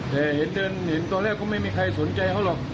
แต่เห็นเดินเห็นตอนแรกก็ไม่มีใครสนใจเขาหรอก